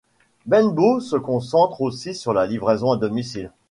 Bembos se concentre aussi sur la livraison à domicile.